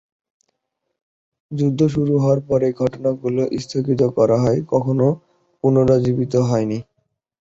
যুদ্ধ শুরু হওয়ার পর এই ঘটনাগুলি স্থগিত করা হয় এবং কখনও পুনরুজ্জীবিত হয়নি।